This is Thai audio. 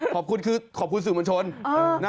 ขอบคุณคือขอบคุณสื่อมวลชน